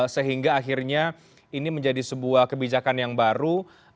sehingga akhirnya ini menjadi sebuah kebijakan yang baru